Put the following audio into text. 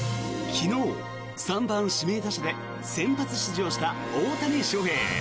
昨日、３番指名打者で先発出場した大谷翔平。